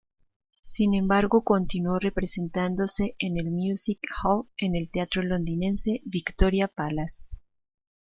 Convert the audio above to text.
Sin embargo continuó representándose en el music hall, en el Teatro londinense Victoria Palace.